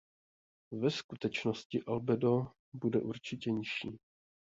Ve skutečnosti albedo bude určitě nižší.